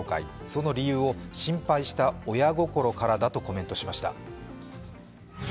その理由を心配した親心からだとコメントしました。